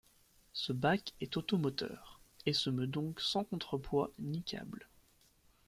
Ce bac est automoteur, et se meut donc sans contrepoids ni câble.